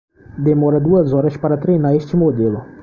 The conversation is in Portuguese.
Demora duas horas para treinar este modelo.